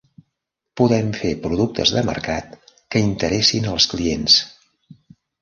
Podem fer productes de mercat que interessin als clients.